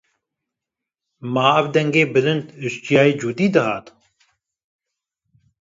Ma, ev dengê bilind ji çiyayê Cûdî dihat ?